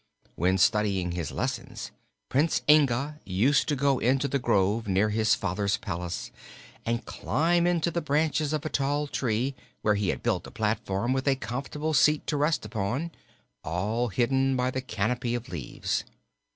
When studying his lessons Prince Inga used to go into the grove near his father's palace and climb into the branches of a tall tree, where he had built a platform with a comfortable seat to rest upon, all hidden by the canopy of leaves.